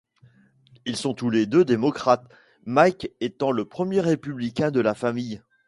Ils sont tous les deux démocrates, Mike étant le premier républicain de la famille.